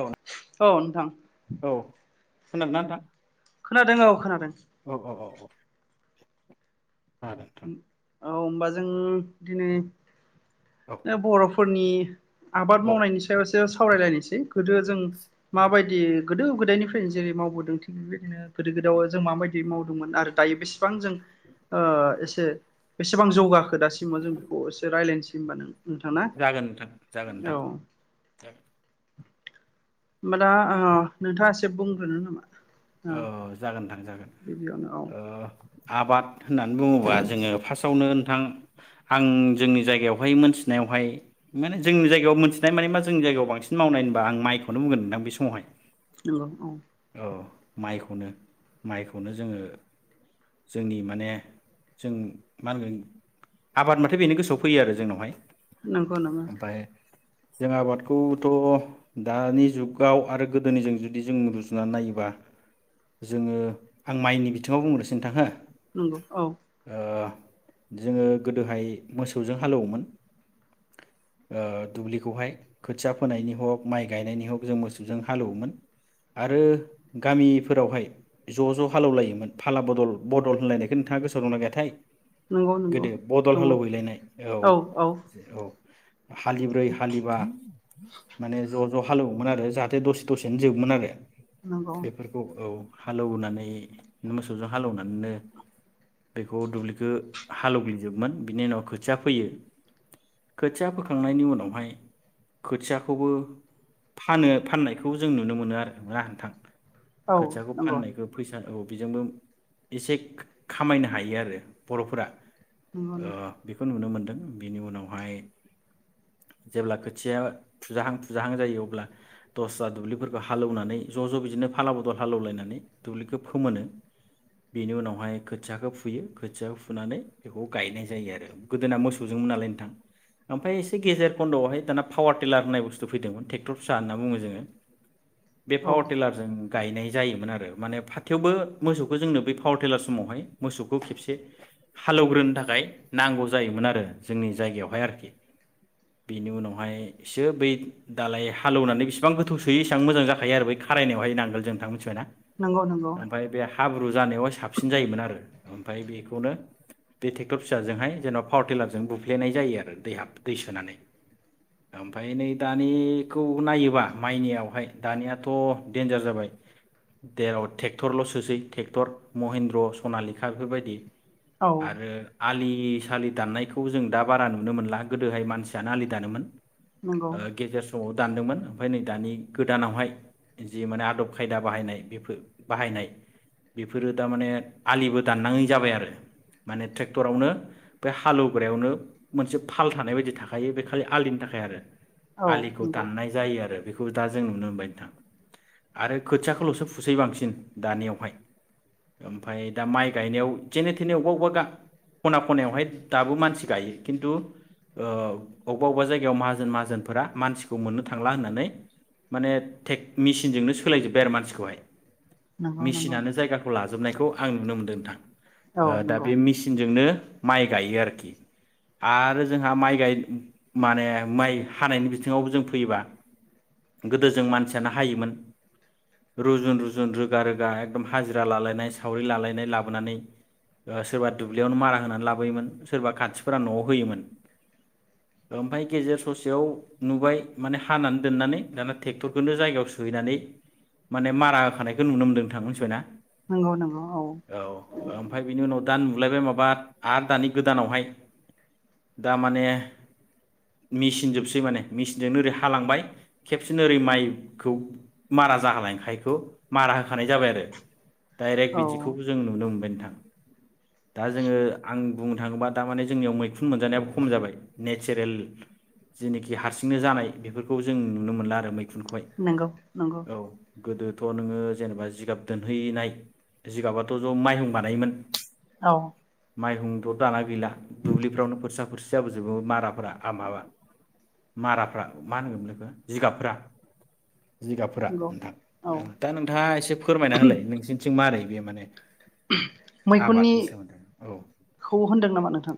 औ। औ नोंथां। खोनादोंना नोंथां? खोनादों औ खोनादों औ औ औ खोनादों नोंथां औ होमबा जों दिनै। औ ओ बर'फो फोरनि आबाद औ मावनायनि सायावसो सा सावरायलायनोसै गोदो जों माबायदि गोदो गोदायनिफ्रायनो जेरै मावबोदों थिग बेबायदिनो गोदो गोदायाव जों माबायदि मावदोंमोन आरो दायो बेसे बिसिबां जों ओ बेसेबां जौगाखो दासिमाव जों बेखौ एसे रायलायनोसै होनबा नों जागोन नोंथां जागोन औ होमबा नोंथां। होमबा दा ओ नोंथाङा एसे बुंग्रोनो नामा औ ओ जागोन नोंथां जागोन गिबियावनो औ ओ आबाद होननानै बुङोबा जोङो फार्स्टआवनो नोंथां आं जोंनि जायगायावहाय मोनथिनायावहाय माने जोंनि जायगायाव मोनथिनाय माने मा जोंनि जायगायाव बांसिन मावनाय होनबा आं माइखौनो बुंगोन नोंथां बे समावहाय। नंगौ औ अ माइखौनो माइखौनो जोङो जोंनि माने जों मा होनगोन आबाद माथो बेनो गोसोआव फैयो आरो जोंनावहाय नंगौ नामा ओमफ्राय जों आबादखौथ' दानि जुगाव आरो गोदोनिजों जुदि जों रु नानै नायोबा जोङो आं माइनि बिथिङाव बुंनोसै नोंथां हो नोंगौ औ ओ जोङो गोदोहाय मोसौजों हालेवोमोन ओ दुब्लिखौहाय खोथिया फोनायनि हग माइ गायनायनि हग जों मोसौजों हालेवोमोन आरो गामिफोरावहाय ज' ज' हालौलायोमोन फाला बदल बदल होनलायनायखौ नोंथाङा गोसोआव दंना गैयाथाय नंगौ नंगौ गोदो बदल दङ हालेवहैलायनाय औ औ। हालिब्रै हालिबा माने ज' हालेवोमोन आरो जाहाथे दसे दसेनो जोबोमोन आरो। नंगौ बेफोरखौ औ हालौवनानै मोसौजों हालेवनानैनो बेखौ दुब्लिखौ हालौवग्लिजोबमोन बिनि उनाव खोथिया फोयो खोथिया फोखांनायनि उनावहाय खोथियाखौबो फानो फाननायखौ जों नुनो मोनो आरो। [unintelligible] नोंथां औ खोथियाखौ नंगौ फाननायखौ फैसा औ। बेजोंबो एसे खामायनो हायो आरो बर'फोरा नंगौ ओ बेखौ नुनो मोनदों बिनि उनावहाय जेब्ला खोथिया फुजाहां फुजाहां जायो अब्ला दस्रा दुब्लिफोरखौ हालौना नानै ज' ज' बिदिनो फाला बदल हालेवलायनानै दुब्लिखौ फोमोनो बेनि उनावहाय खोथियाखौ फुयो खोथियाखौ फुनानै बेखौ गायनाय जायो आरो गोदोना मोसौजोंमोन नालाय नोंथां ओमफखय एसे गेजेर खन्द'आवहाय दाना पावार टिलार होननाय बुस्थु फैदोंमोन ट्रेक्टर फिसा होनना बुङो जोङो बे औ पावार टिलारजों गायनाय जायोमोन आरो माने फाथोयावबो मोसौखौ जोंनो बै पावार टेलार समावहाय मोसौखौ खेबसे हालौवग्रोनो थाखाय नांगौ जायोमोन आरो जोंनि जायगायावहाय आरोखि बेनि उनावहाय एसो बै दालाय हालेवनानै बेसिबां गोथौ सोयो इसेबां मोजां जा हायो आरो बै खारायनायावाय नांगोन जोंथां मिथिबाय ना नंगौ नंगौ हाब्रु जानायावहाय साबसिन जायोमोन आरो ओमफाय बेखौनो बे ट्रेक्टर फिसाजोंहाय जेनेबा पावार टिलारजों बुफ्लेनाय जायो आरो दैह दै सोनानै ओमफाय नै दानिखौ नायोबा माइनियावहाय दानियाथ' देन्जार जाबाय देर' थेक्टरल' सोसै थेक्टर महिन्द्र सनालिखा बेफोरबायदि औ आरो आलि सालि दाननायखौ जों दा बारा नुनो मोनला गोदोहाय मानसियानो आलि दानोमोन नंगौ ओ गेजेर समाव दानदोंमोन ओमफाय नै दानि गोदानावहाय जि माने आदब खायदा बाहायनाय बेफोर बाहायनाय बेफोरो दामाने आलिबो दाननाङै जाबाय आरो माने ट्रेक्टरावनो बे हालेवग्रायावनो मोनसे फाल थानाय बायदि थाखायो बे खालि आलिनि थाखाय आरो औ आलिखौ नंगौ दाननाय जायो आरो बे दा जों नुनो मोनबाय नोंथां आरो खोथियाखौलसो फुसै बांसिन दानियावहाय ओमफाय दा माइ गायनायाव जेने थेने अबेबा अबेबा खना खनायावहाय दाबो मानसि गायो खिन्थु ओ अबेबा अबेबा जायगायाव माहाजोन माहाजोनफोरा मानसिखौ मोननो थांला होननानै माने थेक मेसिनजोंनो सोलायजोबबाय आरो मानसिखौहाय नंगौ मेसिनानो जायगाखौ लाजो जोबनायखौ आं नुनो मोनदों नोंथां औ ओ दा नंगौ बे मेसिनजोंनो माइ गायो आरोखि आरो जोंहा माइ गाय माने माइ हानायनि बिथिङावबो जों फैयोबा गोदो जों मानसियानो हायोमोन रुजुन रुजुन रोगा रोगा एकदम हाजिरा लालायनाय सावरि लालायनाय लाबोनानै ओ सोरबा दुब्लियावनो मारा होनानै लाबोयोमोन सोरबा खाथिफोरा न'आव होयोमोन ओमफाय गेजेर ससेयाव नुबाय माने हानानै दोननानै दाना ट्रेक्टरखौनो जायगायाव सोहैनानै माने मारा होखानायखौ नुनो मोन्दों नोंथां मिनथिबाय ना नंगौ नंगौ औ ओमफ्राय बिनि उनाव दा नुलायबाय माबा आरो दानि गोदानावहाय दा माने मेचिन जोबसै माने मेसिनजोंनो ओरै हालांबाय खेबसेनो ओरै माइखौ मारा जाहालायखायखौ मारा होखानाय जाबाय आरो डाइरेक्ट औ बिदिखौबो जों नुनो मोनबाय थां दा जोङो आं बुंनो थाङोब्ला दामाने जोंनियाव मैखुन मोनजानायाबो खम जाबाय नेचारेल जेनिखि हारसिंनो जानाय बेफोरखौ जों नुनो मोनला आरो मैखुनखौहाय नोंगौ नंगौ औ गोदोथ नोङो जेनेबा जिगाब दोनहैनाय जिगाबाथ ज मायहुं बानायोमोन औ माइ हुंथ दाना गैला दुब्लिफ्रावनो फोरोरसा फोरसि जाबोजोबो माराफ्रा आ माबा माराफ्रा मा होनगोन मोनलाय बिखौ जिगाबफ्रा जिगाबफोरा नंगौ नोंथां औ दा नोंथाङा एसे फोरमायना होलाय नोंसिनिथिं मारै बे माने आबादनि मैखुननिखौ सोमोन्दै औ होनदों नामा नोंथां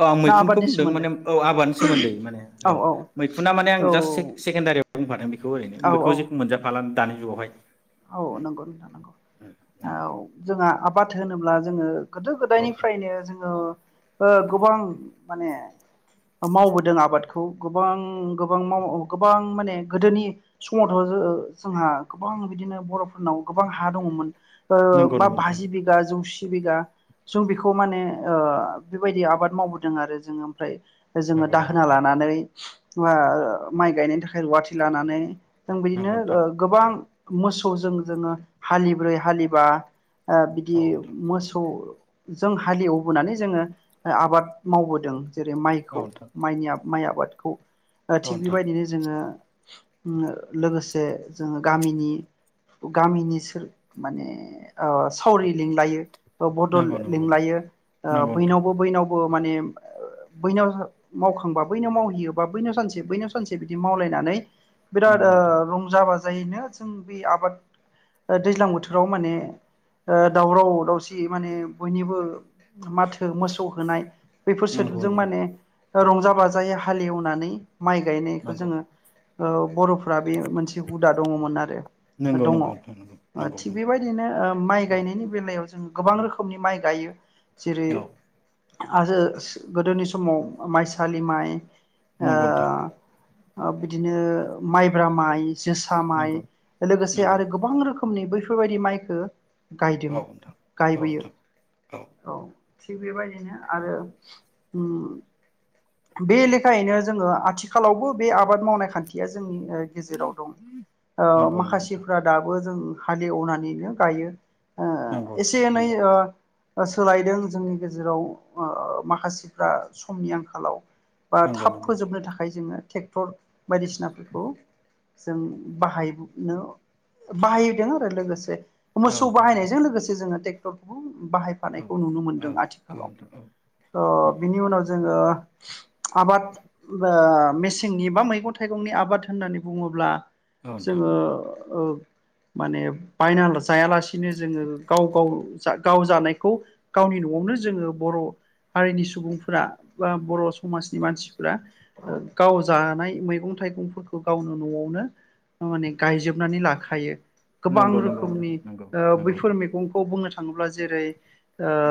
औ आं ना मैखुनखौ आबादनि बुंदों सोमोन्दै माने औ आबादनि सोमोन्दै माने औ मैखुना माने आं औ जास्ट से सेकेण्डारियाव बुंफादों बेखौ ओरैनो औ बेखौ औ जेखौ मोनजाफालानो दानि जुगावहाय औ नंगौ नोंथ नंगौ औ जोंहा बाथो होनोब्ला जोङो गोदो औ नोंथां गोदायनिफ्रायनो जोङो ओ गोबां माने मावबोदों आबादखौ गोबां गोबां माव गोबां माने गोदोनि समावथ' जोंहा गोबां बिदिनो बरफोरनाव गोबां हा दङमोन ओ नंगौ नंगौ बा नोंथां बाजि बिघा जौसि बिघा जों बेखौ माने बेबायदि आबाद मावबोदों आरो जोङो ओमफ्राय जोङो नंगौ नंगौ दाहोना नोंथां लानानै बा माइ गायनायनि थाखाय रुवाथि लानानै जों बिदिनो नंगौ नोंथां ओ गोबां मोसौजों जोङो हालिब्रै हालिबा ओ बिदि औ नोंथां मोसौ जों हालेवबोनानै जोङो आबाद मावबोदों जेरै औ माइखौ नोंथां माइनि आ माइ आबादखौ ओ औ थिग नोंथां बेबायदिनो जोङो लोगोसे जोङो गामिनि गामिनि सोर माने ओ सावरि लिंलायो औ बडल नंगौ नंगौ लिंलायो ओ नंगौ नोंथां बैनावबो बैनाव बो माने बैनाव मावखांबा बैनाव मावहैयोबा बैनाव सानसे बैनाव सानसे बिदि मावलायनानै बिराद नंगौ रंजा बाज जैनो जों बे आबाद ओ दैज्लां बोथोराव माने ओ दावराव दावसि माने बयनिबो माथो मोसौ होनाय बैफोर नोंथां नंगौ सोदोबजों नंगौ माने रंजा बाजायै हालेवनानै माइ गायनायखौ नंगौ जोङो ओ बरफोरा बे मोनसे हुदा दङमोन आरो नंगौ नंगौ दङ नोंथां नंगौ नंगौ थि नंगौ बेबायदिनो ओ माइ औ गायनायनि बेलायाव [unintelligible] जों गोबां रोखोमनि माइ गायो औ जेरै- आरो गोदोनि समाव माइसालि माइ ओ नंगौ नोंथां ओ बिदिनो माइब्रा माइ जोसा माइ नंगौ लोगोसे नंगौ आरो गोबां रो खोमनि बैफोरबायदि माइखौ गायदों औ नोंथां औ गायबोयो नोंथां औ थिग बेबायदिनो आरो उम बे लेखायैनो जोङो आथिखालावबो बे आबाद मावनाय खान्थियाज जोंनि ओ गेजेराव दं ओ नंगौ नंगौ नोंथां माखासेफ्रा दाबो बो जों हाल एवनानैनो गायो। ओ नंगौ एसे नोंथां एनै ओ सोलायदों जोंनि गेजेराव ओ माखासेफ्रा समनि आंखालाव बा नंगौ थाब नंगौ नंगौ फोजोबनो थाखाय जोङो टेक्टर बायदिसिनाफोरखौ जों बाहाय नो बाहायदों आरो लोगोसे औ मोसौ नोंथां बाहायनायजों लोगोसे जोङो टेक्टरखौ औ बाहायफानायखौ नुनो औ मोनदों औ आथिखालाव नोंथां औ थ' बिनि उनाव जोङो आबाद बा मेसेंनि बा मैगं थाइगंनि आबाद होननानै बुङोब्ला औ नोंथां जोङो ओ माने बायना जायालासिनो जोङो गाव गाव जा गाव जानायखौ गावनि न'आवनो जोङो बर' हारिनि सुबुंफोरा बा बर' समाजनि मानसिफ्रा ओ गाव जानाय मैगं थाइगंफोरखौ गावनो न'आवनो माने गायजोबनानै लाखायो। गोबां नंगौ नंगौ रोखोमनि नोंथां नंगौ ओ नंगौ बैफोर मैगंखौ बुंनो थाङोब्ला जेरै-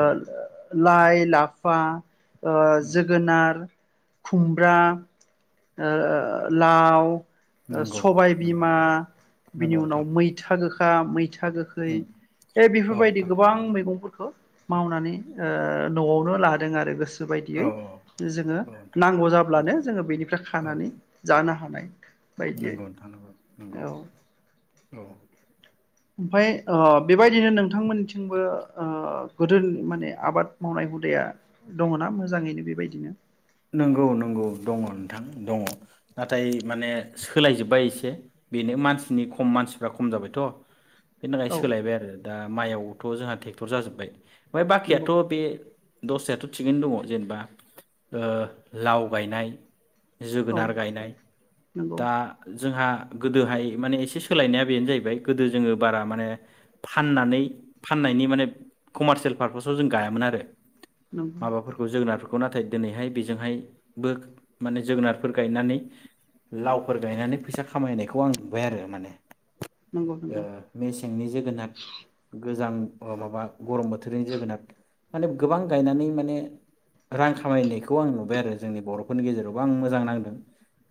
औ लाइ लाफा ओ जोगोनार खुमब्रा ओ लाव नंगौ सबाय नंगौ बिमा नोंथां बिनि नंगौ नोंथां उनाव मैथा गोख ओ मैथा था गोखै औ ए बेफोरबायदि नोंथां गोबां मैगंफोरखौ खौ मावनानै ओ नआवनो लादों आरो गोसो बायदियै औ जोंङो औ नोंथां नांगौ जाब्लानो जोंङो औ खानानै जा होनो हानाय। बायदियै नंगौ नोंथां नंगौ नंगौ औ औ ओमफ्राय ओ बेबायदिनो नोंथांमोननिथिंबो ओ गोदोनि माने आबाद मावनाय हुदाया दंङ ना मोजाङैनो बेबायदिनो? नंगौ नंगौ दंङ नोंथां दंङ नाथाय माने सोलायजोब्बाय एसे बेनो मानसिनि खम मानसिफ्रा खम जाबायथ। बेनि थाखाय औ सोलायबाय आरो दा माइआव थ जोंहा ट्रेक्टर जाजोबबाय। ओमफ्राय नंगौ बाखियाथ बे दस्रायाथ थिगैनो दंङ जेनबा ओ लाव गायनाय औ जोगोनार गायनाय नंगौ दा जोंहा गोदोहाय माने एसे सोलायनाया बेनो जाहैबाय गोदो जोंङो बारा माने फाननानै फाननायनि माने कमारसियेल पारपोजाव जों गायामोन आरो नंगौ माबाफोरखौ जोगोनारफोरखौ बेखौ नाथाय दिनैहाय बेजोंहायबो माने जोगोनारफोर गायनानै लावफोर गायनानै फैसा खामायनायखौ आं नुबाय आरो माने नंगौ ओ नंगौ मेसेंनि जोगोनाद गोजां माबा गरम बोथोरनि जोगोनार माने गोबां गायनानै माने रां खामायनायखौ आं नुबाय आरो जोंनि बरफोरनि गेजेरावबो आं मोजां नांदों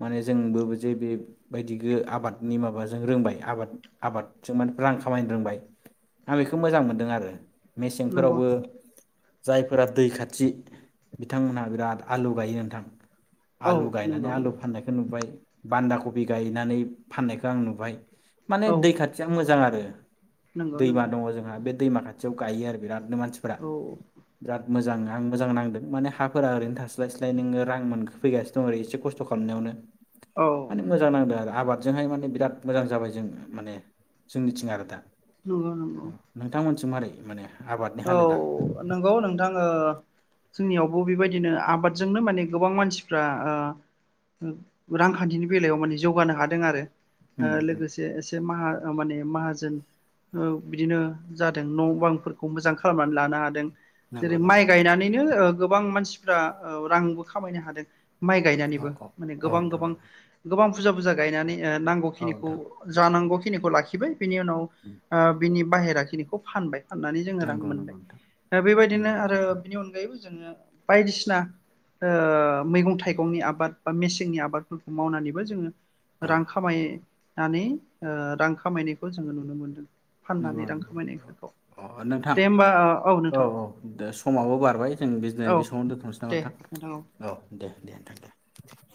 माने जोंबो जे बेबायदि आबादनि माबाजों रोंबाय आबाद आबादजों माने रां खामायनो रोंबाय आं बेखौ मोजां मोनदों आरो नंगौ मेसेंफोरावबो जायफोरा दै खाथि बिथांमोनहा बिराद आलु गायो नोंथां औ आलु गायनानै नंगौ आलु फाननायखो नुबाय। बान्दा कफि गायनानै फाननायखौ आं नुबाय माने औ दै खाथिया मोजां आरो। नंगौ दैमा नंगौ दंङ जोंहा बे दैमा खाथियाव गायो आरो बिराद मानसिफ्रा औ बिराद मोजां आं मोजां नांदों माने हाफोरा ओरैनो थास्लायस्लाय नोंङो रां मोनखो फैगासिनो दं ओरै एसे खस्थ खालामनायावनो। औ माने मोजां नांदों आरो। आबादजोंहाय माने बिराद मोजां जाबाय जों माने जोंनिथिं आरो दा नंगौ नंगौ नोंथांमोनथिं मारै माने आबादनि औ हालोदा नंगौ नोंथां ओ जोंनियावबो बेबायदिनो आबादजोंनो माने गोबां मानसिफ्रा ओ रांखान्थिनि बेलायाव माने जौगानो हादों आरो ओ उम उम लोगोसे एसे जे माहा माने माहाजोन ओ बिदिनो जादों न'बांफोर खौ मोजां खालामनानै लानो हादों नंगौ जेरै माइ नंगौ नोंथां गायनानैनो गोबां मानसिफ्रा रांबो खामायनो हादों माइ औ गायनानैबो माने गोबां नोंथां गोबां गोबां फुजा बुजा गायनानै औ नांगौखिनिखौ नोंथां जानांगौ खिनिखौ लाखिबाय बिनि उनाव उम, ओ बिनि बाहेरा खिनिखौ फानबाय नानै जोङो रां नंगौ मोनबाय नंगौ नोंथां ओ बेबायदिनो नंगौ आरो नोंथां बिनि अनगायैबो जोङो बायदिसिना ओ मैगं थाइगंनि आबाद बा मेसेंनि आबादफोरखौ मावनानैबो जोङो औ रां खामायो। नानै ओ रां खामायनायखौ जोङो नुनो मोन्दों फाननानै नंगौ रां नंगौ खामायनायफोरखौ औ अ नोंथां दे होमबा औ नोंथां औ दे समाबो बारबाय जों बेजने औ बे समावनो दोनथ'निसै नामा नोंथां औ दे दे नोंथां दे